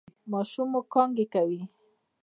ماشوم مو کانګې کوي؟